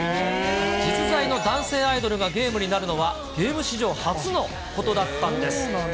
実在の男性アイドルがゲームになるのは、ゲーム史上初のことだったんです。